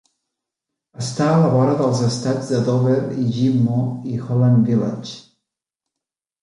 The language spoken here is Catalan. Està a la vora dels estats de Dover i Ghim Moh, i Hollland Village.